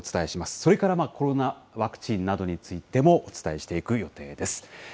それからコロナワクチンなどについてもお伝えしていく予定です。